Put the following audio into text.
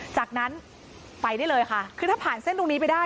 จากนั้นไปได้เลยค่ะคือถ้าผ่านเส้นตรงนี้ไปได้